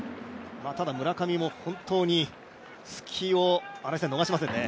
ただ村上も本当に隙を逃しませんね。